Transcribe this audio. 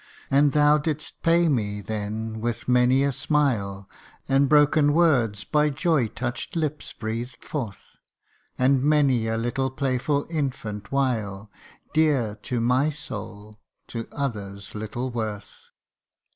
And thou didst pay me then with many a smile, And broken words by joy touch 'd lips breathed forth ; And many a little playful infant wile Dear to my soul to others little worth.